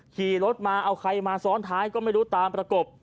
ขี่รถมาเอาใครมาซ้อนท้ายก็ไม่รู้ตามประกบ